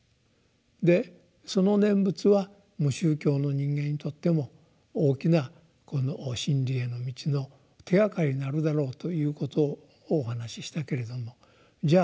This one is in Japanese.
でその「念仏」は無宗教の人間にとっても大きな真理への道の手がかりになるだろうということをお話ししたけれどもじゃ